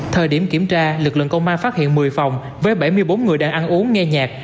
thời điểm kiểm tra lực lượng công an phát hiện một mươi phòng với bảy mươi bốn người đang ăn uống nghe nhạc